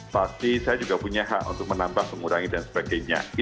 pasti saya juga punya hak untuk menambah mengurangi dan sebagainya